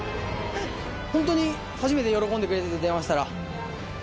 本当に初めて喜んでくれてて、電話したら。